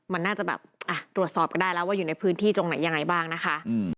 มันน่าจะแบบตรวจสอบกันได้แล้วว่าอยู่ในพื้นที่ตรงไหนยังไงบ้างนะคะ